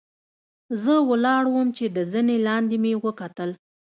زۀ ولاړ ووم چې د زنې لاندې مې وکتل